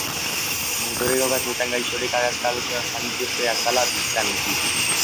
Muturreko kasuetan gaixoak azazkal osoak jan ditzake, azala bistan utziz.